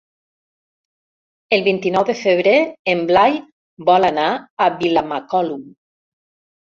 El vint-i-nou de febrer en Blai vol anar a Vilamacolum.